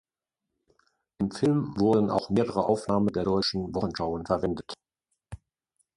Im Film wurden auch mehrere Aufnahmen der deutschen Wochenschauen verwendet.